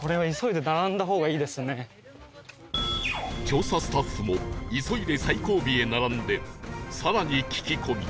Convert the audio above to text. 調査スタッフも急いで最後尾へ並んで更に聞き込み